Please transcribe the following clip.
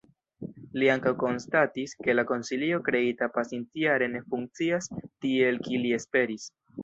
Li ankaŭ konstatis, ke la konsilio kreita pasintjare ne funkcias tiel kiel li esperis.